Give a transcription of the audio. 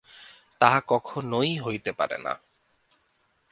তাহা কখনই হইতে পারে না।